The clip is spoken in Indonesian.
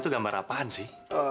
itu gambar apaan sih